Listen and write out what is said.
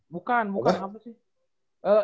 bukan bukan apa sih